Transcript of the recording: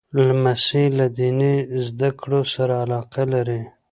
لمسی له دیني زده کړو سره علاقه لري.